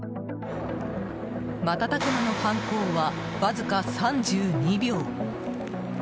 瞬く間の犯行は、わずか３２秒。